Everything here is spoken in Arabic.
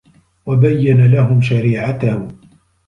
وَبَيَّنَ لَهُمْ شَرِيعَتَهُ